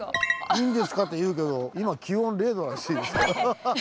「いいんですか」と言うけど今気温０℃らしいです。